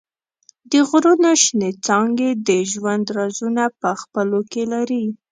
د غرونو شنېڅانګې د ژوند رازونه په خپلو کې لري.